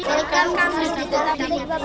selamat datang di desa sidetape